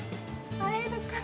会えたかな？